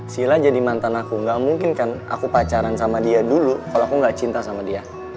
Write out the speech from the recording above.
sila jadi mantan aku gak mungkin kan aku pacaran sama dia dulu kalau aku gak cinta sama dia